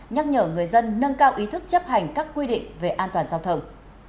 nhắc nhở người dân nâng cao ý thức chấp hành các quy định về an toàn giao thông